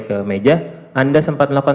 ke meja anda sempat melakukan